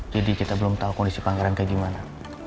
jadi kita belum tahu kondisi pangeran kayak gimana